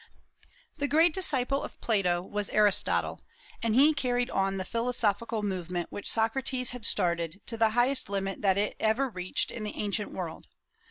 The great disciple of Plato was Aristotle, and he carried on the philosophical movement which Socrates had started to the highest limit that it ever reached in the ancient world.